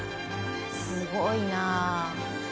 すごいなあ。